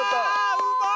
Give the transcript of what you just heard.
うまい！